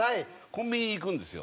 コンビニに行くんですよ。